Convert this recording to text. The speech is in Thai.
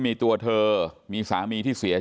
ทีนี้ก็ต้องถามคนกลางหน่อยกันแล้วกัน